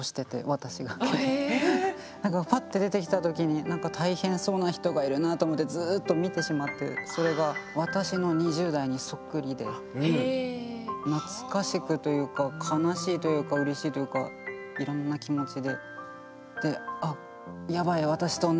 なんかパッて出てきた時に「大変そうな人がいるな」と思ってずっと見てしまってそれが懐かしくというか悲しいというかうれしいというかいろんな気持ちで。